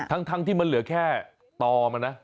ทั้งที่มันเหลือแค่ต่อมันนะ